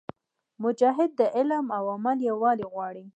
مجاهد د علم او عمل یووالی غواړي.